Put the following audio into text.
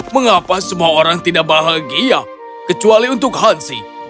mengapa semua orang tidak bahagia kecuali untuk hansi